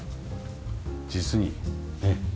実にねっ。